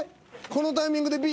このタイミングでＢ？